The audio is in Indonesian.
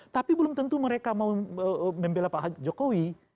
tapi belum tentu mereka mau membela pak jokowi